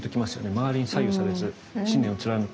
「まわりに左右されず、信念をつらぬく」。